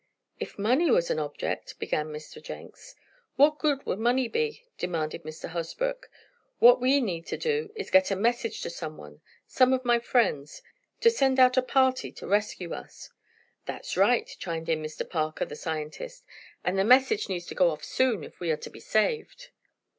"If money was any object ," began Mr. Jenks. "What good would money be?" demanded Mr. Hosbrook. "What we need to do is to get a message to some one some of my friends to send out a party to rescue us." "That's right," chimed in Mr. Parker, the scientist. "And the message needs to go off soon, if we are to be saved."